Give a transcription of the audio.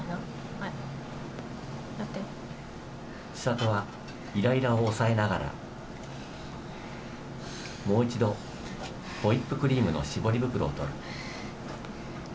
ちさとはいらいらを抑えながら、もう一度ホイップクリームの絞り袋を取る。